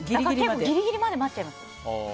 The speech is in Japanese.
ギリギリまで待っちゃいます。